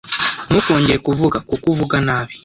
Ntukongere kuvuga . kuko uvuga nabi